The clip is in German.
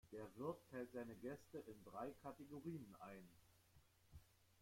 Der Wirt teilt seine Gäste in drei Kategorien ein.